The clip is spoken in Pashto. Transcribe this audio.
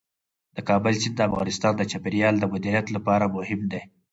د کابل سیند د افغانستان د چاپیریال د مدیریت لپاره مهم دی.